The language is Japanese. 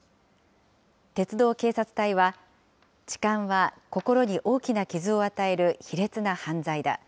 鉄道警察隊は、痴漢は心に大きな傷を与える卑劣な犯罪だ。